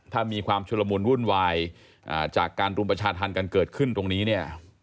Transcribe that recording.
ถ้ามีความชุลมุนวุ่นวายจากการรุมประชาธรรมกันเกิดขึ้นตรงนี้เนี่ย